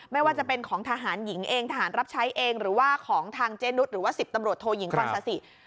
ไม่ว่าจะเป็นของทหารหญิงเองทหารรับใช้เองหรือว่าของทางเจนุสหรือว่า๑๐ตำรวจโทยิงกรซาสิ